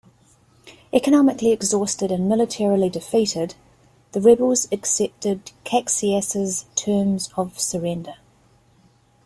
Economically exhausted and militarily defeated, the rebels accepted Caxias' terms of surrender.